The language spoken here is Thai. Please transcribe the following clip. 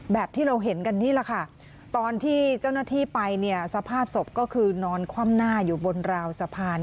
แบบที่เราเห็นกันนี่แหละค่ะตอนที่เจ้าหน้าที่ไปเนี่ยสภาพศพก็คือนอนคว่ำหน้าอยู่บนราวสะพาน